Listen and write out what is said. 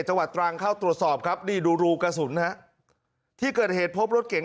จังหวัดตรังเข้าตรวจสอบครับนี่ดูรูกระสุนฮะที่เกิดเหตุพบรถเก๋ง